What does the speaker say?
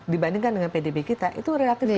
dibandingkan dengan pdb kita itu relatif